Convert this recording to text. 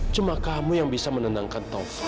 cuma kamu yang bisa menendangkan taufan